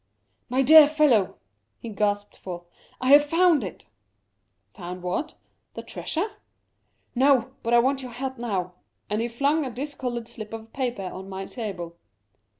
" My dear fellow !" he gasped forth, " I have found it !"" Found what ?— the treasure ?"" No — but I want your help now," and he flung a discoloured slip of paper on my table.